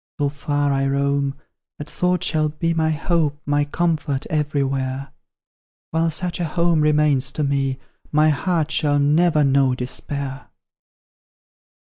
Though far I roam, that thought shall be My hope, my comfort, everywhere; While such a home remains to me, My heart shall never know despair!